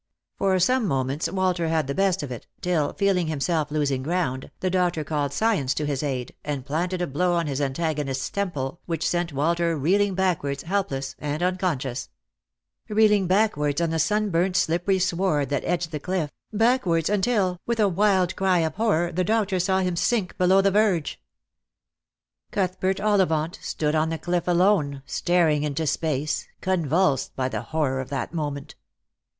For some moments Walter had the best of it, till, feeling himself losing ground, the doctor called science to his aid, and planted a blow on his antagonist's temple, which sent Walter reeling backwards, helpless and unconscious. Reel 160 Lost for Love. ing backwards on the sunburnt slippery sward that edged the cliff — backwards until, with a wild cry of horror, the doctor saw him sink below the verge. Outhbert Ollivant stood on the cliff alone, staring into space, convulsed by the horror of that moment.